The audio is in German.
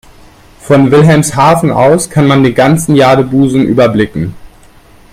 Von Wilhelmshaven aus kann man den ganzen Jadebusen überblicken.